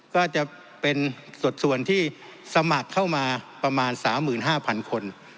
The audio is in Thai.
ก็จะเป็นสัดส่วนที่สมัครเข้ามาประมาณ๓๕๐๐๐คน